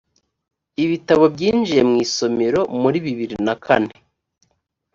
ibitabo byinjiye mu isomero muri bibiri nakane.